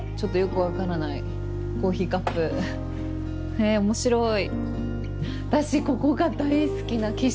へぇ面白い！